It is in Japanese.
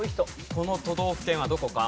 この都道府県はどこか？